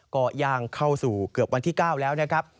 ก็ย่างเข้าสู่เกือบวันที่๙แล้วนะครับ